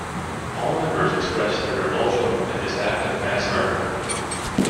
All members expressed their revulsion at this act of mass murder.